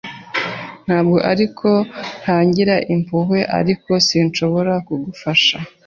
Ntabwo ari uko ntagira impuhwe, ariko sinshobora kugufasha.